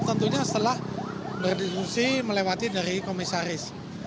tentunya setelah berdiskusi melewati dari komisaris